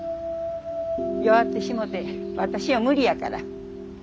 弱ってしもて私は無理やから。